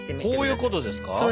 こういうことですか？